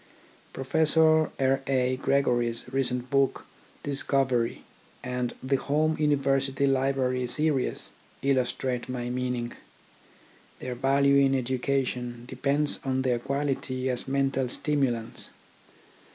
Prof. R. A. Gregory's recent book, Discovery, and the Home University Library series illustrate my meaning. Their value in education depends on their quality as mental stimulants.